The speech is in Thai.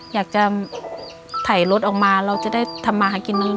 อยากจะไถรถออกมาเราจะได้ทำมากินนึง